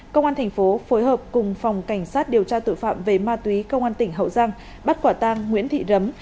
công an thành phố phối hợp cùng phòng cảnh sát điều tra tội phạm về ma túy công an tỉnh hậu giang bắt quả tang nguyễn thị rấm